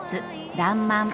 「らんまん」